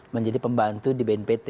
menjadi pembantu di bnpt